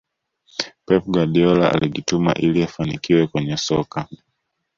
pep guardiola alijituma ili afanikiwe kwenye soka